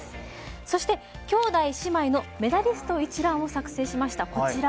そして、きょうだい、姉妹のメダリスト一覧を作成しました。